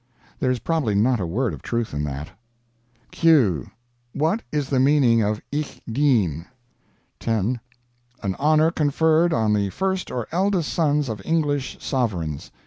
There is probably not a word of truth in that. "Q. What is the meaning of 'Ich Dien'? "10. An honor conferred on the first or eldest sons of English Sovereigns.